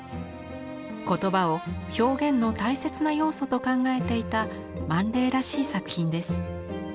言葉を表現の大切な要素と考えていたマン・レイらしい作品です。